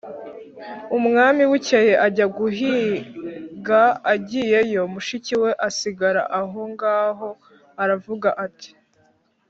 umwami bukeye ajya guhiga, agiyeyo, mushiki we asigara aho ngaho, aravuga ati: